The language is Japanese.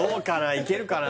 いけるかな？